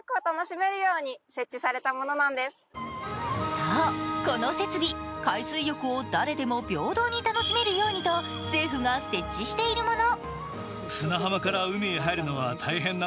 そう、この設備、海水浴を誰でも平等に楽しめるようにと政府が設置しているもの。